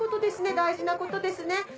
大事なことですね。